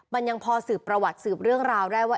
มันยังพอสืบประวัติสืบเรื่องราวได้ว่า